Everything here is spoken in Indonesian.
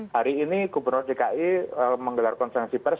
hari ini gubernur cki menggelar konsensi pers